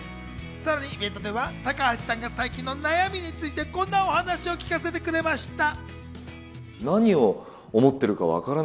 さらにイベントでは高橋さんが最近の悩みについてこんなお話を聞かせてくれました。